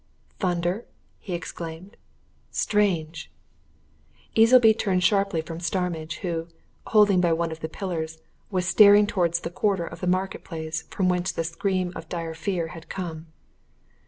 "Thunder?" he exclaimed. "Strange!" Easleby turned sharply from Starmidge, who, holding by one of the pillars, was staring towards the quarter of the Market Place, from whence the scream of dire fear had come.